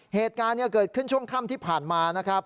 เหตุการณ์เกิดขึ้นช่วงค่ำที่ผ่านมานะครับ